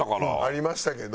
ありましたけど。